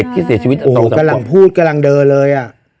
กำลังพูดกำลังเดินเลย